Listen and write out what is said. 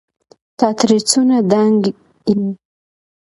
ته ترې څونه دنګ يې